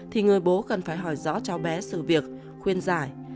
thì người bố cần phải hỏi rõ cháu bé sự việc khuyên giải